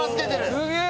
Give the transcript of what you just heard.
すげえ。